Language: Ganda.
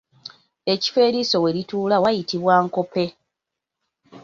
Ekifo eriiso we lituula wayitibwa nkompe.